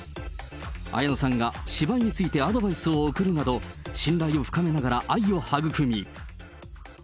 綾野さんが芝居についてアドバイスを送るなど、信頼を深めながら愛を育み。